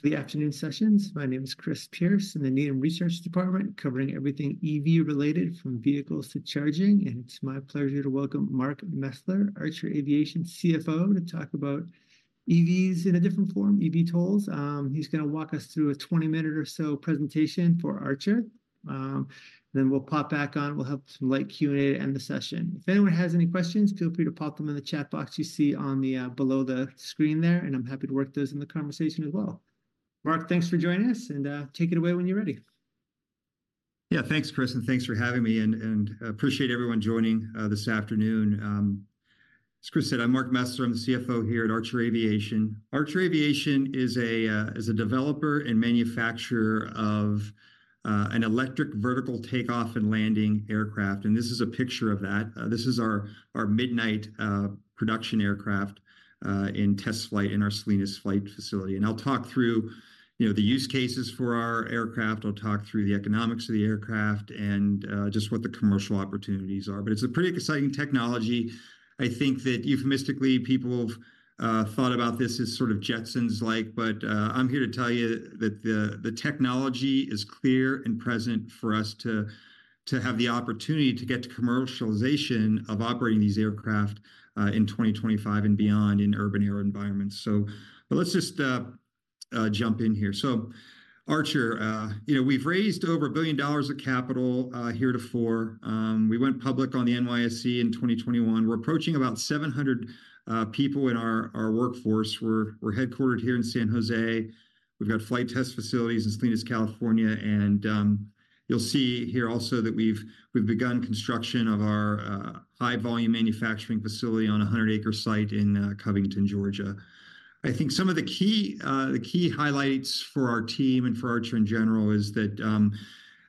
Welcome to the afternoon sessions. My name is Chris Pierce in the Needham Research Department, covering everything EV-related, from vehicles to charging, and it's my pleasure to welcome Mark Mesler, Archer Aviation CFO, to talk about EVs in a different form, eVTOLs. He's gonna walk us through a 20-minute or so presentation for Archer. Then we'll pop back on. We'll have some light Q&A to end the session. If anyone has any questions, feel free to pop them in the chat box you see on the below the screen there, and I'm happy to work those in the conversation as well. Mark, thanks for joining us, and take it away when you're ready. Yeah. Thanks, Chris, and thanks for having me and appreciate everyone joining this afternoon. As Chris said, I'm Mark Mesler. I'm the CFO here at Archer Aviation. Archer Aviation is a developer and manufacturer of an electric vertical take-off and landing aircraft, and this is a picture of that. This is our Midnight production aircraft in test flight in our Salinas flight facility. And I'll talk through, you know, the use cases for our aircraft, I'll talk through the economics of the aircraft, and just what the commercial opportunities are. But it's a pretty exciting technology. I think that euphemistically, people have thought about this as sort of Jetsons-like, but I'm here to tell you that the technology is clear and present for us to have the opportunity to get to commercialization of operating these aircraft in 2025 and beyond in urban air environments. So but let's just jump in here. So Archer, you know, we've raised over $1 billion of capital heretofore. We went public on the NYSE in 2021. We're approaching about 700 people in our workforce. We're headquartered here in San Jose. We've got flight test facilities in Salinas, California, and you'll see here also that we've begun construction of our high-volume manufacturing facility on a 100-acre site in Covington, Georgia. I think some of the key highlights for our team and for Archer in general is that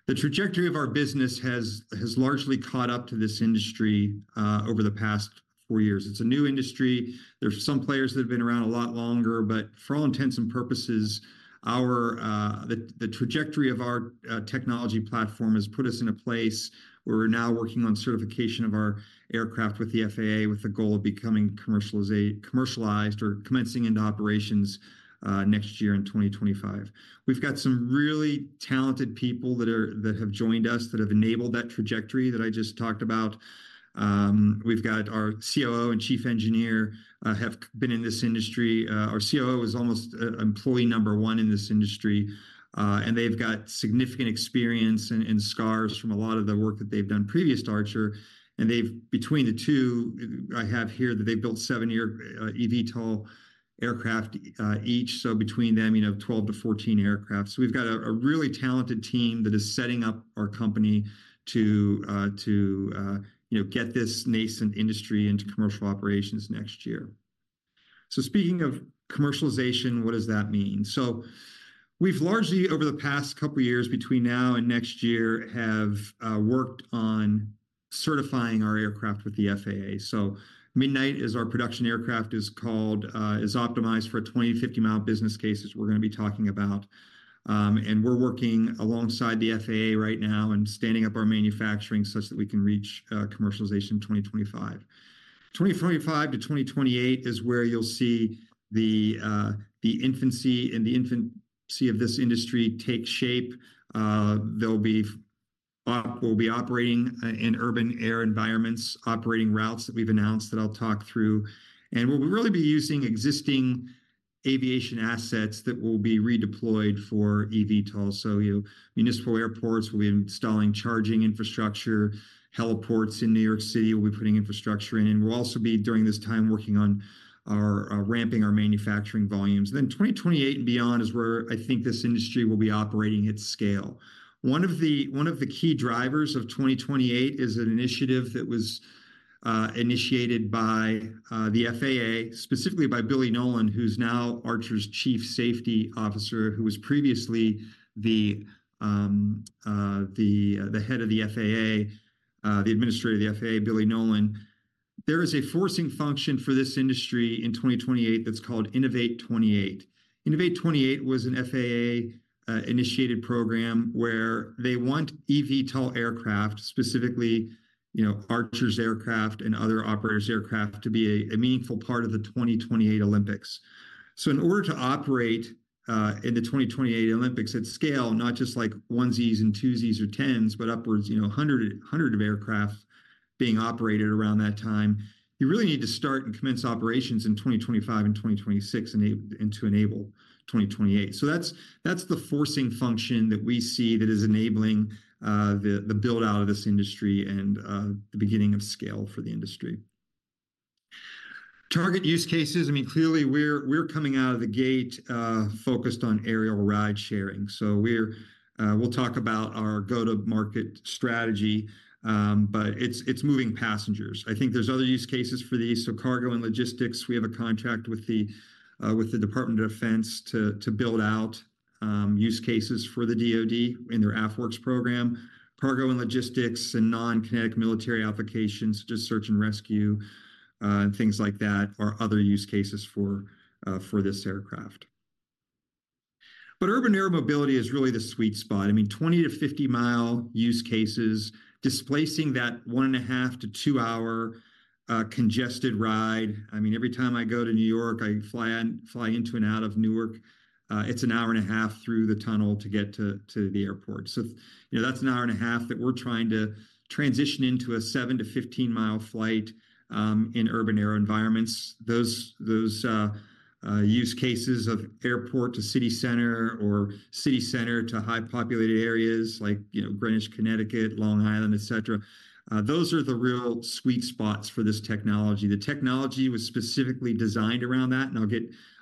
the trajectory of our business has largely caught up to this industry over the past four years. It's a new industry. There's some players that have been around a lot longer, but for all intents and purposes, the trajectory of our technology platform has put us in a place where we're now working on certification of our aircraft with the FAA, with the goal of becoming commercialized or commencing into operations next year in 2025. We've got some really talented people that have joined us, that have enabled that trajectory that I just talked about. We've got our COO and chief engineer have been in this industry. Our COO is almost employee number one in this industry, and they've got significant experience and scars from a lot of the work that they've done previous to Archer. And they've, between the two, I have here, that they've built seven air-eVTOL aircraft each, so between them, you know, 12-14 aircraft. So we've got a really talented team that is setting up our company to you know get this nascent industry into commercial operations next year. So speaking of commercialization, what does that mean? So we've largely, over the past couple of years, between now and next year, have worked on certifying our aircraft with the FAA. So Midnight is our production aircraft, is called, is optimized for a 20-50-mile business cases we're going to be talking about. And we're working alongside the FAA right now and standing up our manufacturing such that we can reach commercialization in 2025. 2025-2028 is where you'll see the infancy of this industry take shape. We'll be operating in urban air environments, operating routes that we've announced that I'll talk through, and we'll really be using existing aviation assets that will be redeployed for EVTOLs. So, municipal airports, we'll be installing charging infrastructure. Heliports in New York City, we'll be putting infrastructure in, and we'll also be, during this time, working on ramping our manufacturing volumes. Then 2028 and beyond is where I think this industry will be operating at scale. One of the key drivers of 2028 is an initiative that was initiated by the FAA, specifically by Billy Nolen, who's now Archer's chief safety officer, who was previously the head of the FAA, the administrator of the FAA, Billy Nolen. There is a forcing function for this industry in 2028 that's called Innovate28. Innovate28 was an FAA initiated program where they want eVTOL aircraft, specifically, you know, Archer's aircraft and other operators' aircraft, to be a meaningful part of the 2028 Olympics. So in order to operate in the 2028 Olympics at scale, not just like onesies and twosies or tens, but upwards, you know, hundreds of aircraft being operated around that time, you really need to start and commence operations in 2025 and 2026, and to enable 2028. So that's the forcing function that we see that is enabling the build-out of this industry and the beginning of scale for the industry. Target use cases, I mean, clearly, we're coming out of the gate focused on aerial ride-sharing. So we're... we'll talk about our go-to-market strategy, but it's moving passengers. I think there's other use cases for these, so cargo and logistics. We have a contract with the Department of Defense to build out use cases for the DoD in their AFWERX program. Cargo and logistics and non-kinetic military applications, such as search and rescue and things like that, are other use cases for this aircraft. But urban air mobility is really the sweet spot. I mean, 20-50-mile use cases displacing that 1.5-2-hour congested ride. I mean, every time I go to New York, I fly into and out of Newark, it's an hour and a half through the tunnel to get to the airport. So, you know, that's an hour and a half that we're trying to transition into a 7-15-mile flight in urban air environments. Those use cases of airport to city center or city center to high populated areas like, you know, Greenwich, Connecticut, Long Island, et cetera, those are the real sweet spots for this technology. The technology was specifically designed around that, and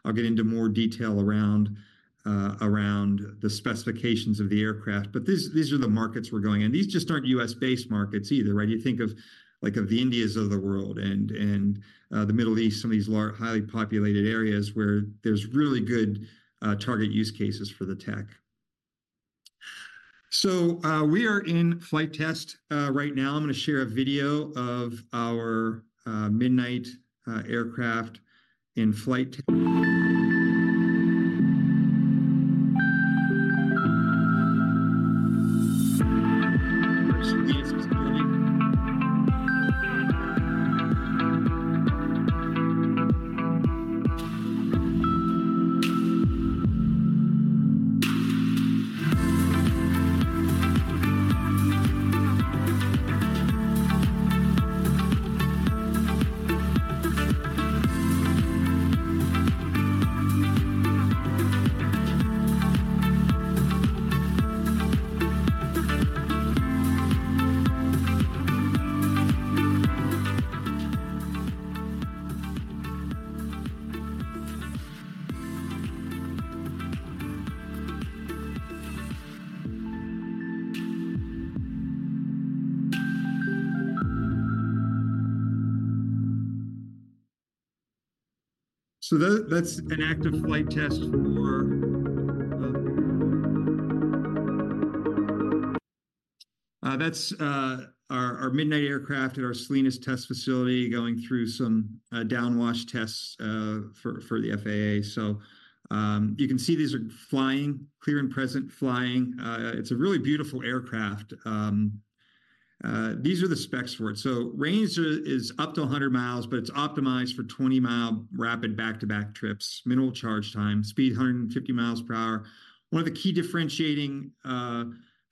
I'll get into more detail around the specifications of the aircraft, but these are the markets we're going in. These just aren't U.S.-based markets either, right? You think of like, of the Indias of the world and the Middle East, some of these large, highly populated areas where there's really good target use cases for the tech. So, we are in flight test right now. I'm gonna share a video of our Midnight aircraft in flight. That's our Midnight aircraft at our Salinas test facility, going through some downwash tests for the FAA. So, you can see these are flying, clear and present flying. It's a really beautiful aircraft. These are the specs for it. So range is up to 100 miles, but it's optimized for 20-mile rapid back-to-back trips, minimal charge time, speed 150 miles per hour. One of the key differentiating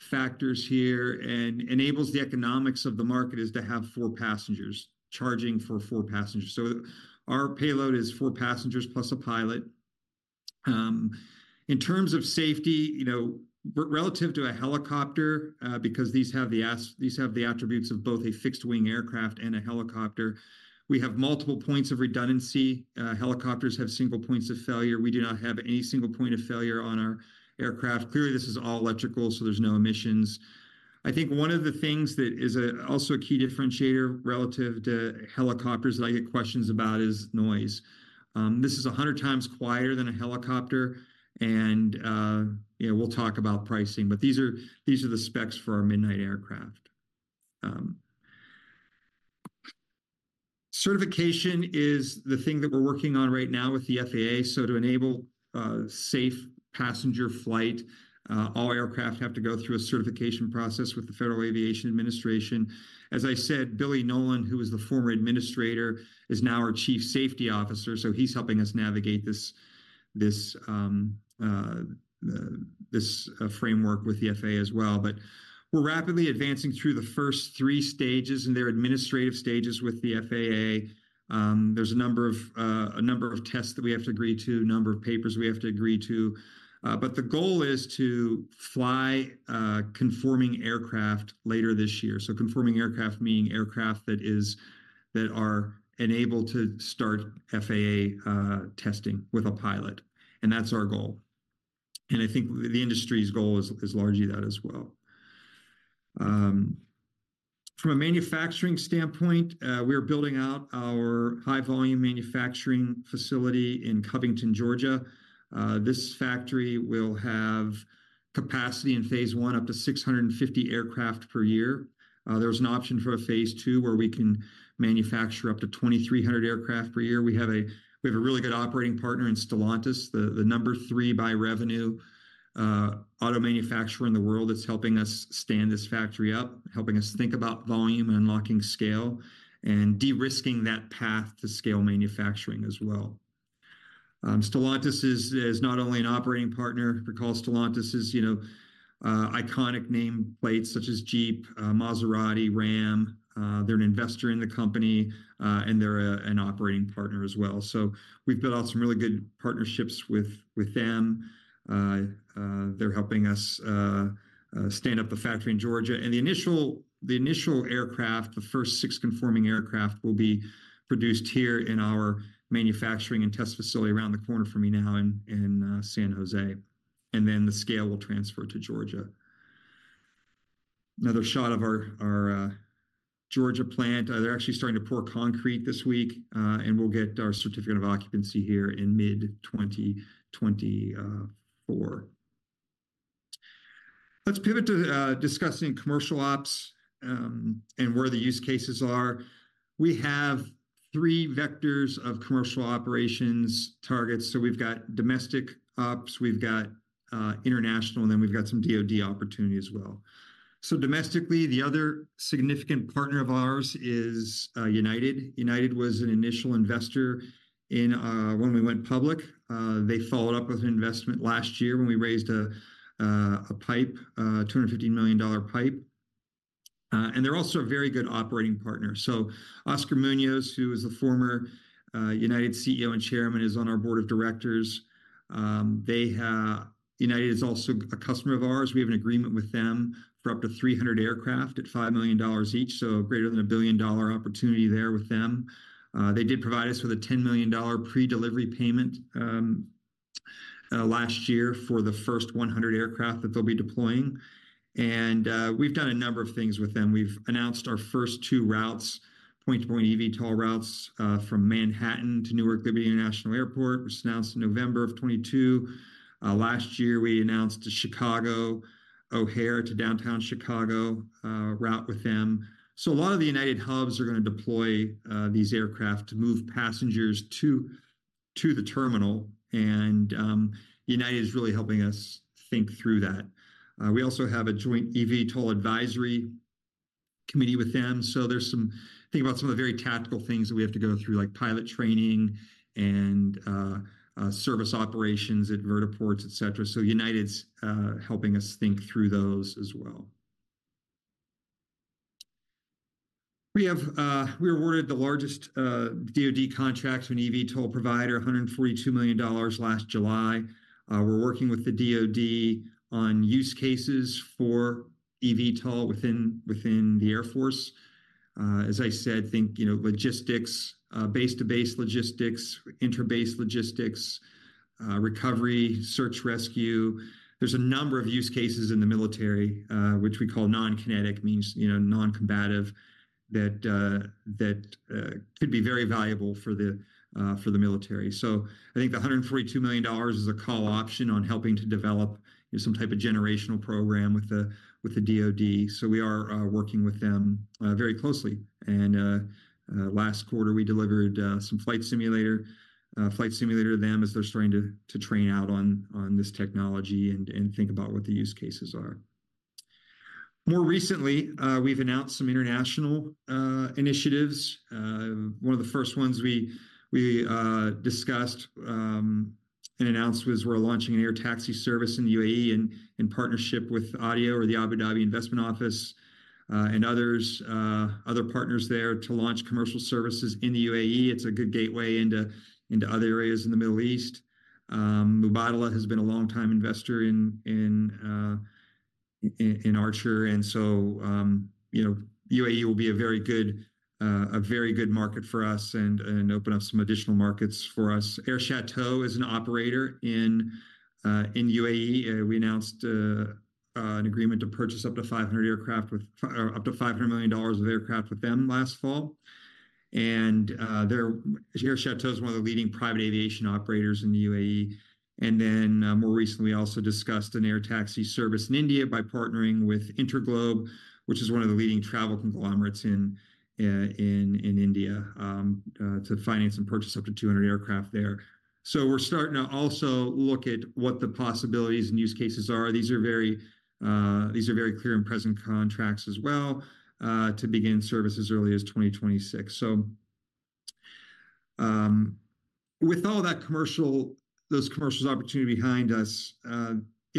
factors here and enables the economics of the market is to have four passengers, charging for four passengers. So our payload is four passengers plus a pilot. In terms of safety, you know, relative to a helicopter, because these have the attributes of both a fixed-wing aircraft and a helicopter, we have multiple points of redundancy. Helicopters have single points of failure. We do not have any single point of failure on our aircraft. Clearly, this is all electrical, so there's no emissions. I think one of the things that is also a key differentiator relative to helicopters that I get questions about is noise. This is 100 times quieter than a helicopter and, yeah, we'll talk about pricing, but these are, these are the specs for our Midnight aircraft. Certification is the thing that we're working on right now with the FAA. To enable a safe passenger flight, all aircraft have to go through a certification process with the Federal Aviation Administration. As I said, Billy Nolen, who is the former administrator, is now our Chief Safety Officer, so he's helping us navigate this framework with the FAA as well. But we're rapidly advancing through the first three stages, and they're administrative stages with the FAA. There's a number of tests that we have to agree to, a number of papers we have to agree to, but the goal is to fly conforming aircraft later this year. So conforming aircraft meaning aircraft that are enabled to start FAA testing with a pilot, and that's our goal. And I think the industry's goal is largely that as well. From a manufacturing standpoint, we are building out our high-volume manufacturing facility in Covington, Georgia. This factory will have capacity in phase one up to 650 aircraft per year. There's an option for a phase two, where we can manufacture up to 2,300 aircraft per year. We have a really good operating partner in Stellantis, the number 3 by revenue auto manufacturer in the world that's helping us stand this factory up, helping us think about volume and unlocking scale, and de-risking that path to scale manufacturing as well. Stellantis is not only an operating partner, recall Stellantis is, you know, iconic nameplates such as Jeep, Maserati, Ram. They're an investor in the company, and they're an operating partner as well. So we've built out some really good partnerships with them. They're helping us stand up the factory in Georgia. And the initial aircraft, the first six conforming aircraft, will be produced here in our manufacturing and test facility around the corner from me now in San Jose, and then the scale will transfer to Georgia. Another shot of our Georgia plant. They're actually starting to pour concrete this week, and we'll get our certificate of occupancy here in mid-2024. Let's pivot to discussing commercial ops and where the use cases are. We have three vectors of commercial operations targets. So we've got domestic ops, we've got international, and then we've got some DoD opportunity as well. So domestically, the other significant partner of ours is United. United was an initial investor in when we went public. They followed up with an investment last year when we raised a PIPE, a $250 million PIPE. They're also a very good operating partner. So Oscar Munoz, who is the former United CEO and chairman, is on our board of directors. United is also a customer of ours. We have an agreement with them for up to 300 aircraft at $5 million each, so a greater than a $1 billion opportunity there with them. They did provide us with a $10 million pre-delivery payment last year for the first 100 aircraft that they'll be deploying. We've done a number of things with them. We've announced our first two routes, point-to-point eVTOL routes, from Manhattan to Newark Liberty International Airport, which was announced in November of 2022. Last year, we announced the Chicago O'Hare to Downtown Chicago route with them. So a lot of the United hubs are gonna deploy these aircraft to move passengers to the terminal, and United is really helping us think through that. We also have a joint eVTOL advisory committee with them, so think about some of the very tactical things that we have to go through, like pilot training and service operations at vertiports, et cetera. So United's helping us think through those as well. We awarded the largest DoD contract to an eVTOL provider, $142 million last July. We're working with the DoD on use cases for eVTOL within the Air Force. As I said, think, you know, logistics, base-to-base logistics, inter-base logistics, recovery, search, rescue. There's a number of use cases in the military, which we call non-kinetic, means, you know, non-combative, that could be very valuable for the military. So I think the $142 million is a call option on helping to develop some type of generational program with the DoD. So we are working with them very closely. And last quarter, we delivered some flight simulator to them as they're starting to train out on this technology and think about what the use cases are. More recently, we've announced some international initiatives. One of the first ones we discussed and announced was we're launching an air taxi service in the UAE in partnership with ADIO, or the Abu Dhabi Investment Office, and others, other partners there to launch commercial services in the UAE. It's a good gateway into other areas in the Middle East. Mubadala has been a long-time investor in Archer, and so, you know, UAE will be a very good, a very good market for us and open up some additional markets for us. Air Chateau is an operator in UAE. We announced an agreement to purchase up to 500 aircraft with up to $500 million of aircraft with them last fall. Air Chateau is one of the leading private aviation operators in the UAE. And then, more recently, also discussed an air taxi service in India by partnering with InterGlobe, which is one of the leading travel conglomerates in India, to finance and purchase up to 200 aircraft there. So we're starting to also look at what the possibilities and use cases are. These are very, these are very clear and present contracts as well, to begin service as early as 2026. So, with all that commercial, those commercial opportunities behind us, you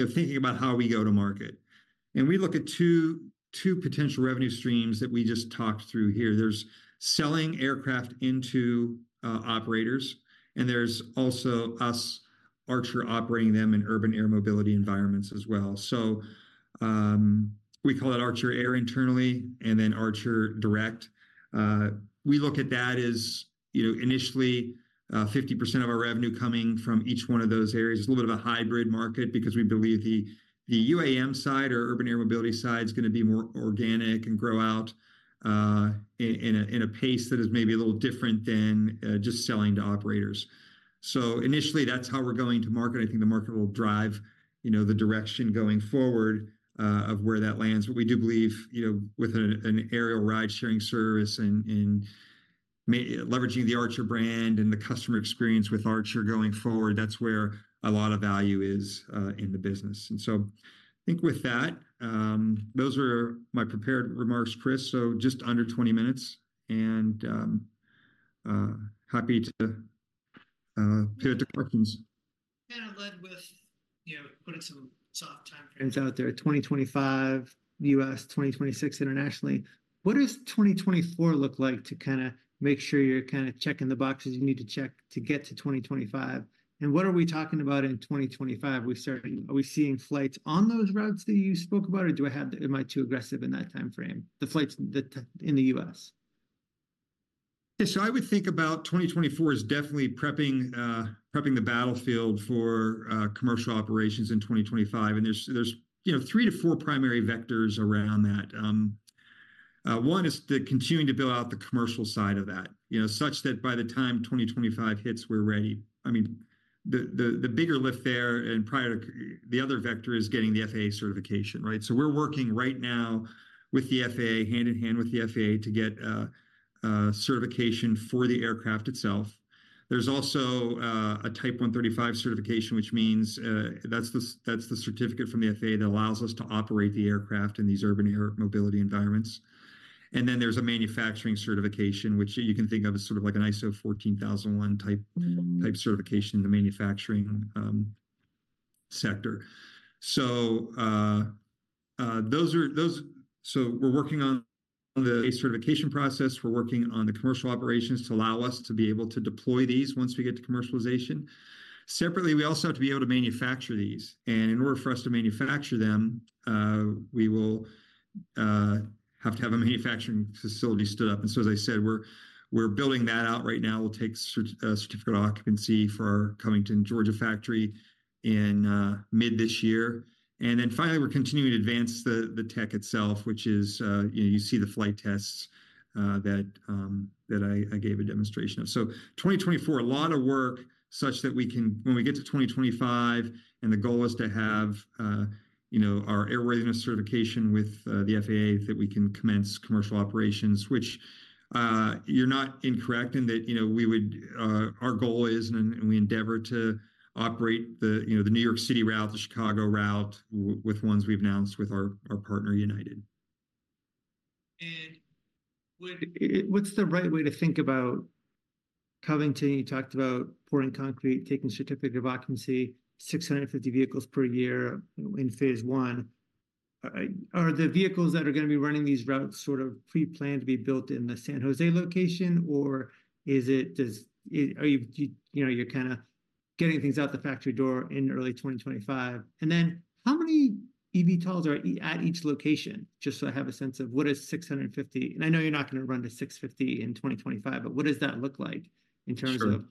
know, thinking about how we go to market, and we look at two potential revenue streams that we just talked through here. There's selling aircraft into operators, and there's also us, Archer, operating them in urban air mobility environments as well. So, we call it Archer Air internally, and then Archer Direct. We look at that as, you know, initially, 50% of our revenue coming from each one of those areas. It's a little bit of a hybrid market because we believe the UAM side or urban air mobility side is gonna be more organic and grow out in a pace that is maybe a little different than just selling to operators. So initially, that's how we're going to market. I think the market will drive, you know, the direction going forward of where that lands. But we do believe, you know, with an aerial ride-sharing service and leveraging the Archer brand and the customer experience with Archer going forward, that's where a lot of value is in the business. And so I think with that, those are my prepared remarks, Chris. So just under 20 minutes, and happy to pivot to questions. Kind of led with, you know, putting some soft timeframes out there, 2025 U.S., 2026 internationally. What does 2024 look like to kind of make sure you're kind of checking the boxes you need to check to get to 2025? And what are we talking about in 2025? We're starting—are we seeing flights on those routes that you spoke about, or do I have... Am I too aggressive in that timeframe, the flights that—in the U.S.? Yeah, so I would think about 2024 as definitely prepping the battlefield for commercial operations in 2025. And there's you know 3-4 primary vectors around that. One is continuing to build out the commercial side of that, you know? Such that by the time 2025 hits, we're ready. I mean, the bigger lift there and the other vector is getting the FAA certification, right? So we're working right now with the FAA, hand-in-hand with the FAA, to get a certification for the aircraft itself. There's also a Type 135 certification, which means that's the certificate from the FAA that allows us to operate the aircraft in these urban air mobility environments. And then there's a manufacturing certification, which you can think of as sort of like an ISO 14001 type certification in the manufacturing sector. So, those are. So we're working on the certification process. We're working on the commercial operations to allow us to be able to deploy these once we get to commercialization. Separately, we also have to be able to manufacture these, and in order for us to manufacture them, we will have to have a manufacturing facility stood up. And so as I said, we're building that out right now. We'll take certificate of occupancy for our Covington, Georgia, factory in mid this year. And then finally, we're continuing to advance the tech itself, which is. You know, you see the flight tests that I gave a demonstration of. So 2024, a lot of work such that we can when we get to 2025, and the goal is to have, you know, our airworthiness certification with the FAA, that we can commence commercial operations, which you're not incorrect in that, you know, we would our goal is, and we endeavor to operate the, you know, the New York City route, the Chicago route, with ones we've announced with our partner, United. And what, what's the right way to think about Covington? You talked about pouring concrete, taking certificate of occupancy, 650 vehicles per year in phase one. Are the vehicles that are gonna be running these routes sort of pre-planned to be built in the San Jose location, or is it... are you, you know, you're kind of getting things out the factory door in early 2025? And then how many eVTOLs are at each location? Just so I have a sense of what is 650. And I know you're not going to run to 650 in 2025, but what does that look like in terms... Sure Of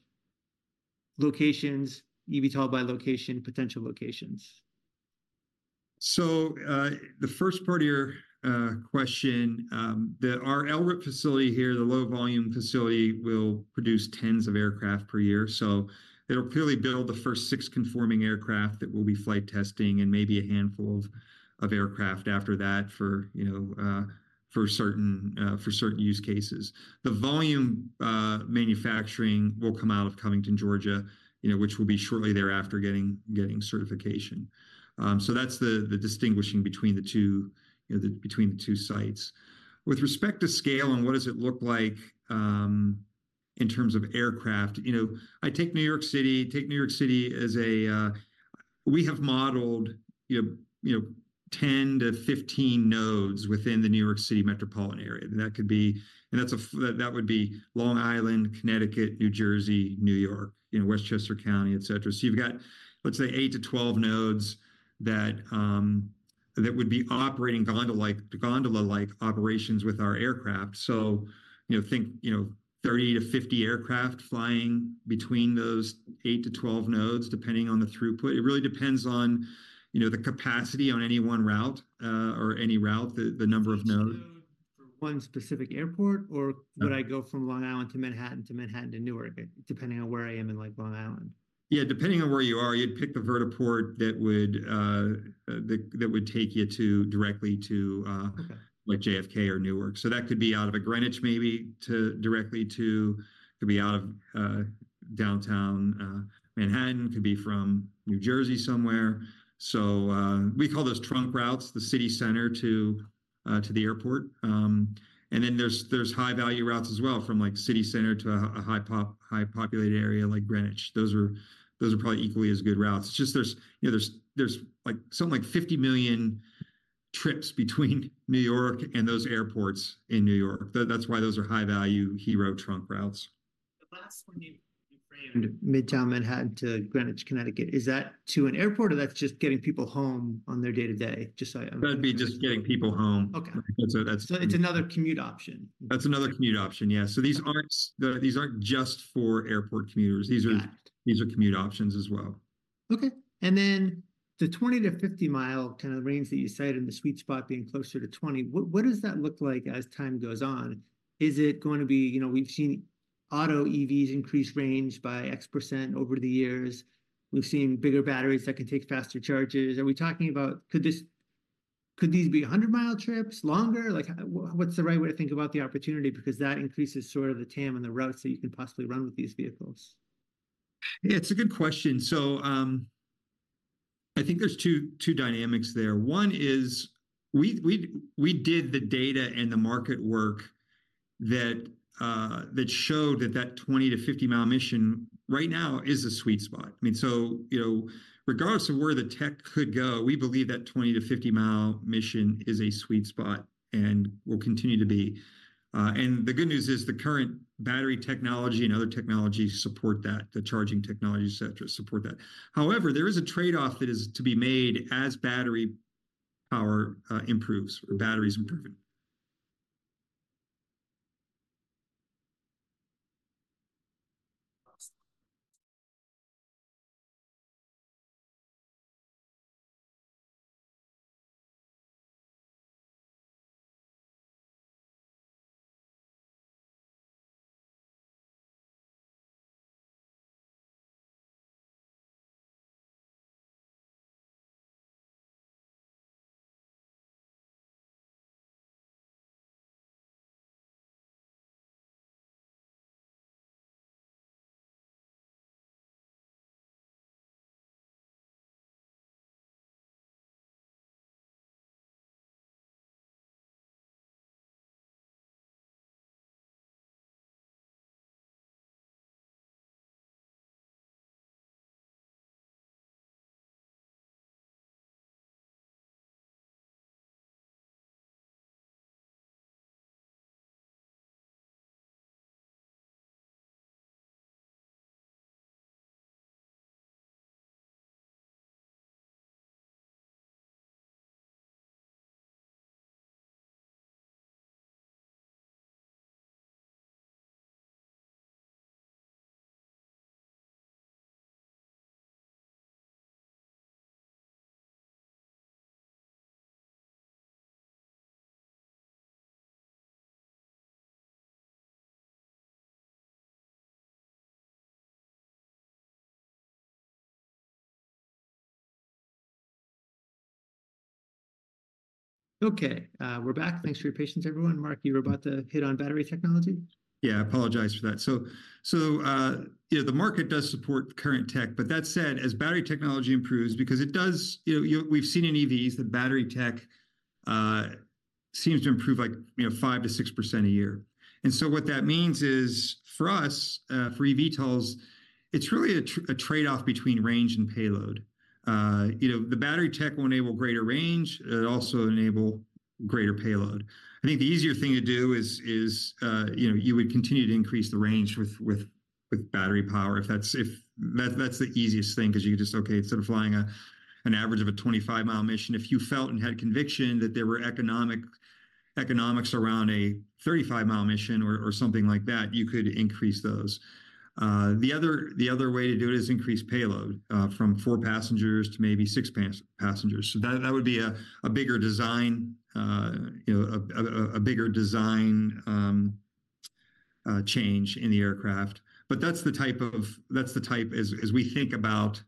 locations, eVTOL by location, potential locations? So, the first part of your question, our LRIP facility here, the low volume facility, will produce tens of aircraft per year. So it'll purely build the first six conforming aircraft that we'll be flight testing and maybe a handful of aircraft after that for, you know, for certain use cases. The volume manufacturing will come out of Covington, Georgia, you know, which will be shortly thereafter getting certification. So that's the distinguishing between the two, you know, between the two sites. With respect to scale and what does it look like, in terms of aircraft, you know, I take New York City, take New York City as a... We have modelled, you know, 10-15 nodes within the New York City metropolitan area. That would be Long Island, Connecticut, New Jersey, New York, you know, Westchester County, et cetera. So you've got, let's say, 8-12 nodes that would be operating gondola-like, gondola-like operations with our aircraft. So, you know, think, you know, 30-50 aircraft flying between those 8-12 nodes, depending on the throughput. It really depends on, you know, the capacity on any one route, or any route, the number of nodes. Each node for one specific airport? Yeah. Or would I go from Long Island to Manhattan, to Manhattan to Newark, depending on where I am in, like, Long Island? Yeah, depending on where you are, you'd pick the vertiport that would take you directly to... Okay. Like JFK or Newark. So that could be out of a Greenwich maybe to directly to. It could be out of, downtown, Manhattan. It could be from New Jersey somewhere. So, we call those trunk routes, the city center to, to the airport. And then there's, there's high-value routes as well, from, like, city center to a high populated area like Greenwich. Those are probably equally as good routes. It's just there's, you know, there's, like, something like 50 million trips between New York and those airports in New York. That's why those are high value, hero trunk routes. The last one you framed, Midtown Manhattan to Greenwich, Connecticut, is that to an airport, or that's just getting people home on their day-to-day? Just so I under.. That'd be just getting people home. Okay. That's... So it's another commute option? That's another commute option, yeah. Okay. These aren't, these aren't just for airport commuters. Got it. These are, these are commute options as well. Okay. And then the 20-50 mile kind of range that you cited, and the sweet spot being closer to 20, what, what does that look like as time goes on? Is it going to be... You know, we've seen auto EVs increase range by X% over the years. We've seen bigger batteries that can take faster charges. Are we talking about... Could this- could these be 100-mile trips? Longer? Like, what's the right way to think about the opportunity? Because that increases sort of the TAM and the routes that you can possibly run with these vehicles. Yeah, it's a good question. So, I think there's two dynamics there. One is we did the data and the market work that showed that 20-50-mile mission right now is a sweet spot. I mean, so, you know, regardless of where the tech could go, we believe that 20-50-mile mission is a sweet spot and will continue to be. And the good news is the current battery technology and other technologies support that, the charging technologies, et cetera, support that. However, there is a trade-off that is to be made as battery-... power, improves or battery's improving. Okay, we're back. Thanks for your patience, everyone. Mark, you were about to hit on battery technology? Yeah, I apologize for that. So, you know, the market does support current tech, but that said, as battery technology improves, because it does, you know, you- we've seen in EVs that battery tech seems to improve like, you know, 5%-6% a year. And so what that means is for us, for eVTOLs, it's really a trade-off between range and payload. You know, the battery tech will enable greater range, it'll also enable greater payload. I think the easier thing to do is, you know, you would continue to increase the range with battery power if that's, if... That's the easiest thing, 'cause you can just okay, instead of flying an average of a 25-mile mission, if you felt and had conviction that there were economics around a 35-mile mission or something like that, you could increase those. The other way to do it is increase payload from 4 passengers to maybe 6 passengers. So that would be a bigger design, you know, a bigger design change in the aircraft. But that's the type as we think about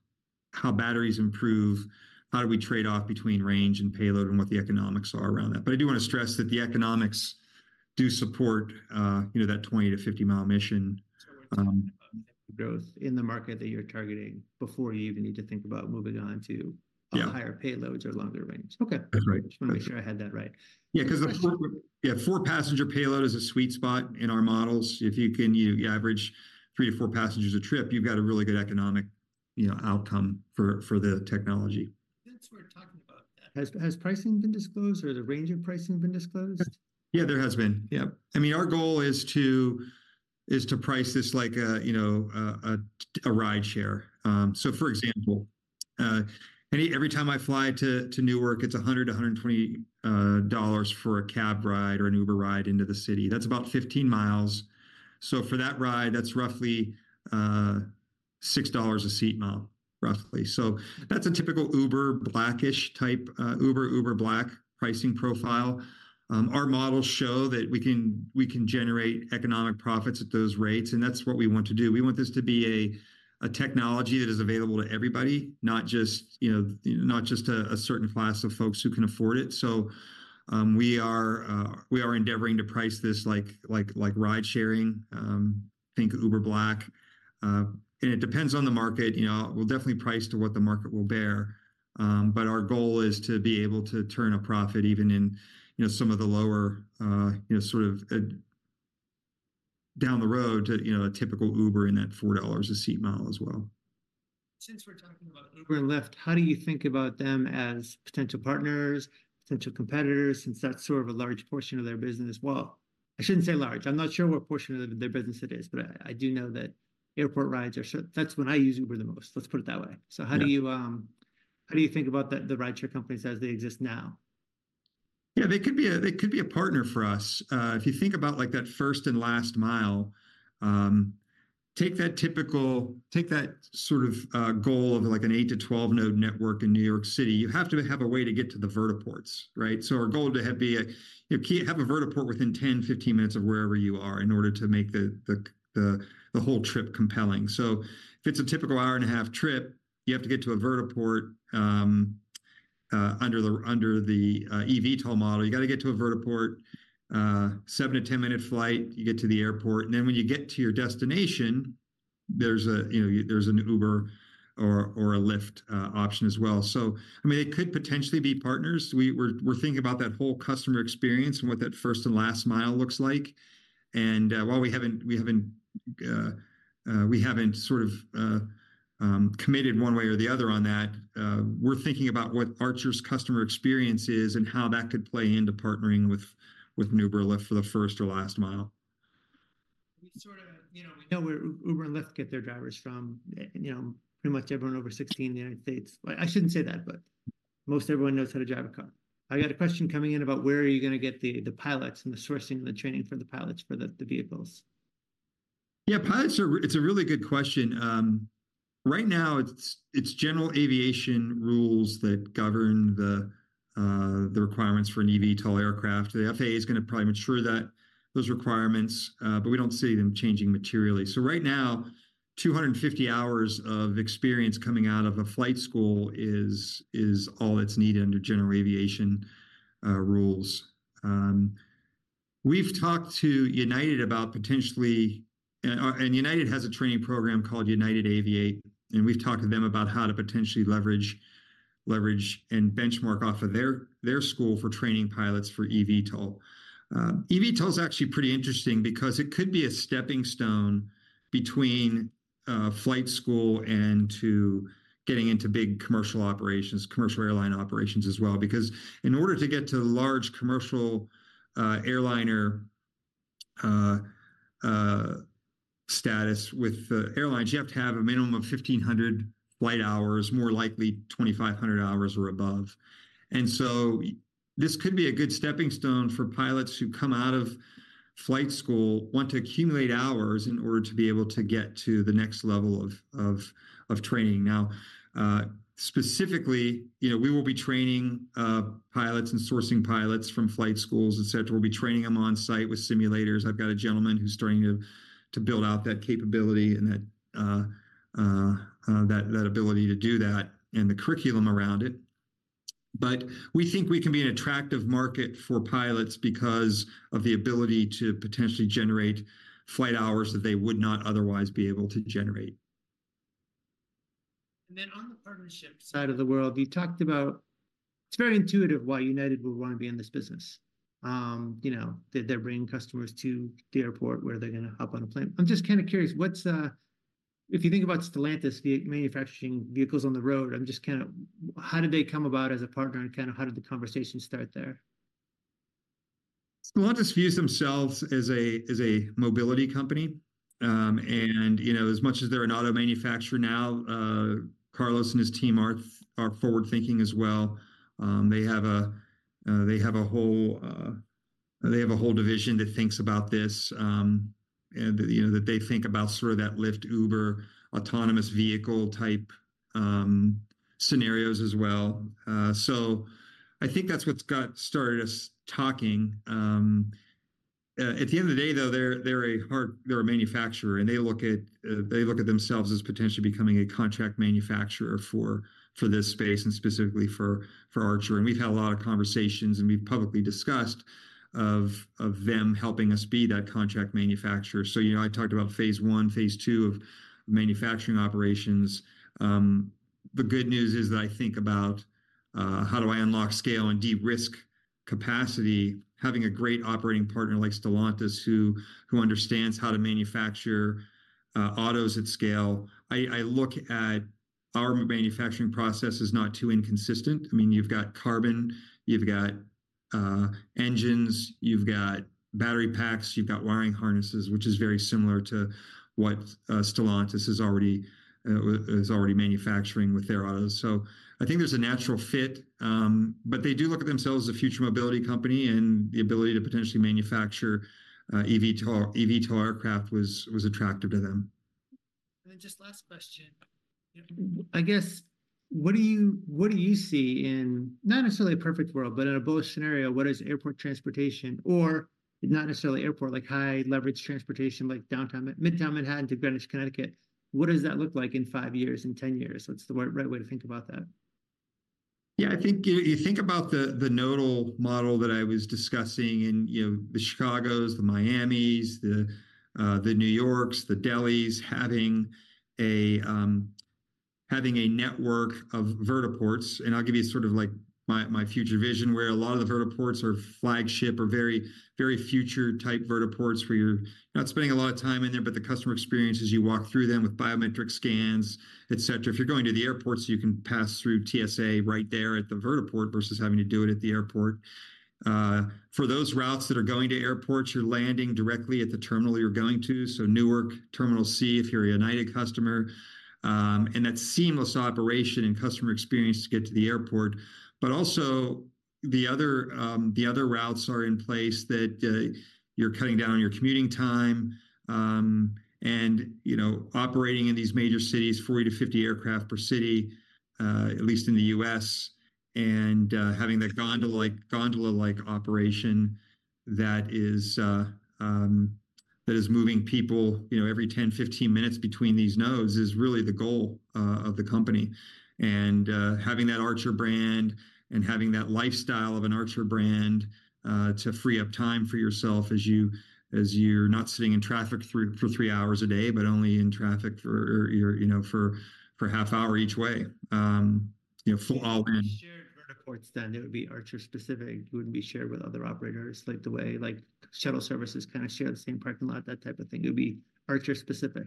how batteries improve, how do we trade off between range and payload, and what the economics are around that. But I do want to stress that the economics do support, you know, that 20-50-mile mission. So we're talking about growth in the market that you're targeting before you even need to think about moving on to... Yeah. Higher payloads or longer range. Okay. That's right. Just want to make sure I had that right. Yeah, 'cause a four. Question. Yeah, 4-passenger payload is a sweet spot in our models. If you can, you average 3-4 passengers a trip, you've got a really good economic, you know, outcome for the technology. Since we're talking about that, has pricing been disclosed, or has a range of pricing been disclosed? Yeah, there has been. Yeah. I mean, our goal is to price this like a, you know, a ride share. So for example, every time I fly to Newark, it's $100-$120 for a cab ride or an Uber ride into the city. That's about 15 miles. So for that ride, that's roughly $6 a seat mile, roughly. So that's a typical Uber Black-ish type, Uber Black pricing profile. Our models show that we can generate economic profits at those rates, and that's what we want to do. We want this to be a technology that is available to everybody, not just, you know, not just a certain class of folks who can afford it. So, we are endeavoring to price this like ride sharing. Think Uber Black. And it depends on the market. You know, we'll definitely price to what the market will bear. But our goal is to be able to turn a profit even in, you know, some of the lower, you know, sort of down the road to, you know, a typical Uber in that $4 a seat mile as well. Since we're talking about Uber and Lyft, how do you think about them as potential partners, potential competitors? Since that's sort of a large portion of their business. Well, I shouldn't say large, I'm not sure what portion of their business it is, but I do know that airport rides are, that's when I use Uber the most, let's put it that way. Yeah. So, how do you think about the rideshare companies as they exist now? Yeah, they could be a partner for us. If you think about like that first and last mile, take that sort of goal of like an 8-12 node network in New York City, you have to have a way to get to the vertiports, right? So our goal to have a, you know, have a vertiport within 10, 15 minutes of wherever you are in order to make the whole trip compelling. So if it's a typical 1.5-hour trip, you have to get to a vertiport under the eVTOL model. You gotta get to a vertiport, 7-10-minute flight, you get to the airport, and then when you get to your destination, there's a, you know, there's an Uber or a Lyft option as well. So, I mean, they could potentially be partners. We're thinking about that whole customer experience and what that first and last mile looks like. And, while we haven't sort of committed one way or the other on that, we're thinking about what Archer's customer experience is and how that could play into partnering with an Uber or Lyft for the first or last mile. We sort of, you know, we know where Uber and Lyft get their drivers from. You know, pretty much everyone over 16 in the United States. Well, I shouldn't say that, but most everyone knows how to drive a car. I got a question coming in about where are you gonna get the pilots, and the sourcing and the training for the pilots for the vehicles? Yeah, pilots are. It's a really good question. Right now it's general aviation rules that govern the requirements for an eVTOL aircraft. The FAA is gonna probably ensure that those requirements, but we don't see them changing materially. So right now, 250 hours of experience coming out of a flight school is all that's needed under general aviation rules. We've talked to United about potentially and United has a training program called United Aviate, and we've talked to them about how to potentially leverage and benchmark off of their school for training pilots for eVTOL. eVTOL's actually pretty interesting because it could be a stepping stone between flight school and to getting into big commercial operations, commercial airline operations as well. Because in order to get to the large commercial airliner status with the airlines, you have to have a minimum of 1,500 flight hours, more likely 2,500 hours or above. And so this could be a good stepping stone for pilots who come out of flight school, want to accumulate hours in order to be able to get to the next level of training. Now, specifically, you know, we will be training pilots and sourcing pilots from flight schools, et cetera. We'll be training them on site with simulators. I've got a gentleman who's starting to build out that capability and that ability to do that and the curriculum around it. We think we can be an attractive market for pilots because of the ability to potentially generate flight hours that they would not otherwise be able to generate. And then on the partnership side of the world, you talked about... It's very intuitive why United would want to be in this business. You know, they're bringing customers to the airport, where they're gonna hop on a plane. I'm just kind of curious, what's if you think about Stellantis versus manufacturing vehicles on the road, I'm just kind of—how did they come about as a partner and kind of how did the conversation start there? Stellantis views themselves as a mobility company. And, you know, as much as they're an auto manufacturer now, Carlos and his team are forward-thinking as well. They have a whole division that thinks about this, and, you know, that they think about sort of that Lyft, Uber, autonomous vehicle type scenarios as well. So I think that's what's got us started talking. At the end of the day, though, they're a manufacturer, and they look at themselves as potentially becoming a contract manufacturer for this space and specifically for Archer. And we've had a lot of conversations, and we've publicly discussed them helping us be that contract manufacturer. So, you know, I talked about phase one, phase two of manufacturing operations. The good news is that I think about how do I unlock scale and de-risk capacity, having a great operating partner like Stellantis, who understands how to manufacture autos at scale. I look at our manufacturing process as not too inconsistent. I mean, you've got carbon, you've got engines, you've got battery packs, you've got wiring harnesses, which is very similar to what Stellantis is already manufacturing with their autos. So I think there's a natural fit. But they do look at themselves as a future mobility company, and the ability to potentially manufacture eVTOL, eVTOL aircraft was attractive to them. Then just last question. I guess, what do you, what do you see in, not necessarily a perfect world, but in a bullish scenario, what is airport transportation, or not necessarily airport, like high-leverage transportation, like downtown-Midtown Manhattan to Greenwich, Connecticut? What does that look like in five years, in 10 years? What's the right, right way to think about that? Yeah, I think you think about the nodal model that I was discussing in, you know, the Chicagos, the Miamis, the New Yorks, the Delhis, having a network of vertiports. And I'll give you sort of like my future vision, where a lot of the vertiports are flagship or very, very future-type vertiports, where you're not spending a lot of time in there, but the customer experience as you walk through them with biometric scans, et cetera. If you're going to the airports, you can pass through TSA right there at the vertiport versus having to do it at the airport. For those routes that are going to airports, you're landing directly at the terminal you're going to, so Newark, Terminal C, if you're a United customer. And that seamless operation and customer experience to get to the airport. But also, the other routes are in place that you're cutting down on your commuting time, and, you know, operating in these major cities, 40-50 aircraft per city, at least in the U.S., and having the gondola-like operation that is moving people, you know, every 10-15 minutes between these nodes is really the goal of the company. And having that Archer brand and having that lifestyle of an Archer brand to free up time for yourself as you're not sitting in traffic for three hours a day, but only in traffic for your, you know, half hour each way. You know, full... Shared vertiports, then, it would be Archer specific, it wouldn't be shared with other operators, like the way, like, shuttle services kind of share the same parking lot, that type of thing. It would be Archer specific?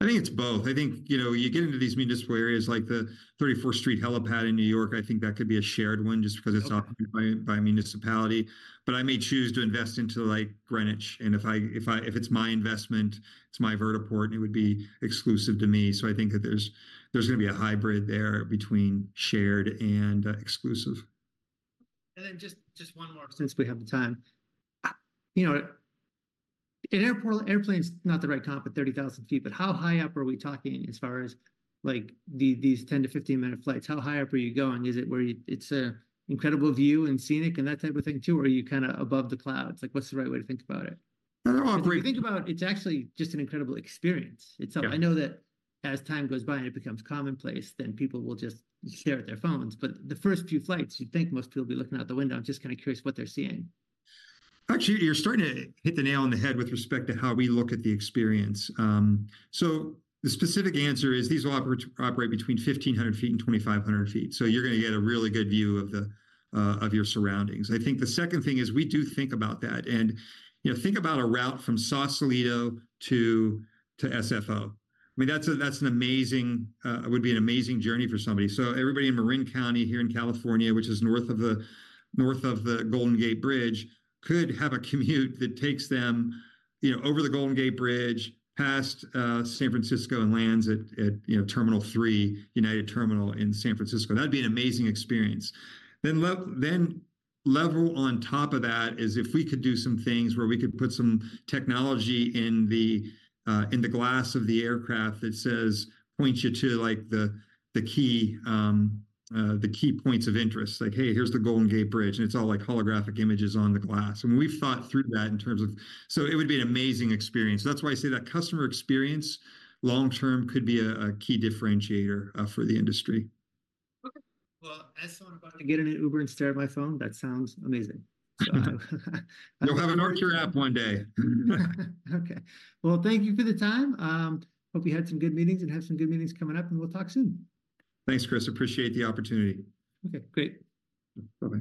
I think it's both. I think, you know, you get into these municipal areas, like the 34th Street helipad in New York, I think that could be a shared one just because it's occupied by a municipality. But I may choose to invest into, like, Greenwich, and if it's my investment, it's my vertiport, and it would be exclusive to me. So I think that there's gonna be a hybrid there between shared and exclusive. And then just one more since we have the time. You know, an airport, airplane's not the right term for 30,000 feet, but how high up are we talking as far as, like, these 10-15-minute flights? How high up are you going? Is it where you... It's an incredible view and scenic and that type of thing, too, or are you kind of above the clouds? Like, what's the right way to think about it? Well, I think.. If you think about it, it's actually just an incredible experience itself. Yeah. I know that as time goes by and it becomes commonplace, then people will just stare at their phones. But the first few flights, you'd think most people would be looking out the window. I'm just kind of curious what they're seeing. Actually, you're starting to hit the nail on the head with respect to how we look at the experience. So the specific answer is these will operate between 1,500 ft and 2,500 ft. So you're gonna get a really good view of the of your surroundings. I think the second thing is we do think about that. And, you know, think about a route from Sausalito to SFO. I mean, that's a, that's an amazing it would be an amazing journey for somebody. So everybody in Marin County here in California, which is north of the Golden Gate Bridge, could have a commute that takes them, you know, over the Golden Gate Bridge, past San Francisco, and lands at, you know, Terminal 3, United Terminal in San Francisco. That'd be an amazing experience. Then level on top of that is if we could do some things where we could put some technology in the glass of the aircraft that says, points you to, like, the key points of interest. Like, "Hey, here's the Golden Gate Bridge," and it's all, like, holographic images on the glass. And we've thought through that in terms of... So it would be an amazing experience. That's why I say that customer experience long term could be a key differentiator for the industry. Okay. Well, as someone about to get in an Uber and stare at my phone, that sounds amazing. You'll have an Archer app one day. Okay. Well, thank you for the time. Hope you had some good meetings and have some good meetings coming up, and we'll talk soon. Thanks, Chris. Appreciate the opportunity. Okay, great. Bye-bye.